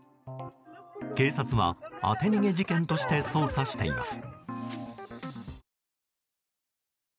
警察は当て逃げ事件として捜査しています。